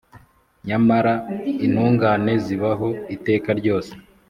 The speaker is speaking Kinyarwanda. Nyamara intungane zibaho iteka ryose,